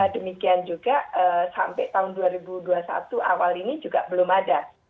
demikian juga sampai tahun dua ribu dua puluh satu awal ini juga belum ada